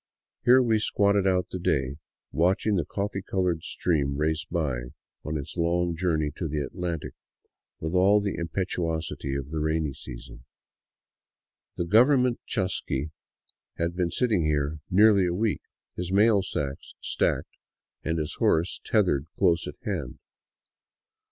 Here we squatted out the day, watching the coffee colored stream race by on its long journey to the Atlantic with all the impetuosity of the rainy season. The government chasqui had been sitting here nearly a week, his mail sacks stacked and his horse tethered close at hand.